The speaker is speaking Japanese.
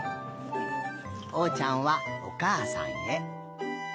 おうちゃんはおかあさんへ。